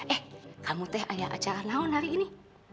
eh kamu teh ada acara naon hari ini